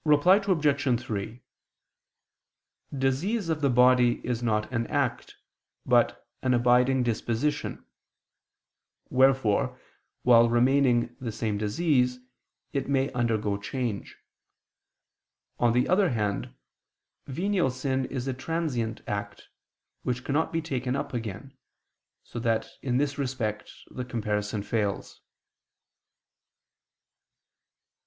Reply Obj. 3: Disease of the body is not an act, but an abiding disposition; wherefore, while remaining the same disease, it may undergo change. On the other hand, venial sin is a transient act, which cannot be taken up again: so that in this respect the comparison fails.